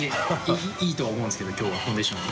いいとは思うんですけど腓Δコンディション。